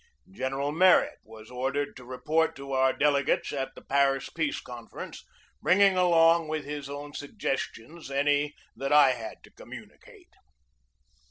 General Merritt was ordered to report to our delegates at the Paris Peace Confer ence, bringing along with his own suggestions any that I had to communicate.